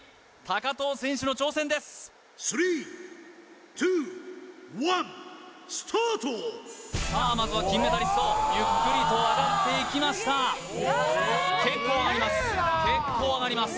藤選手の挑戦ですさあまずは金メダリストゆっくりと上がっていきました結構上がります結構上がります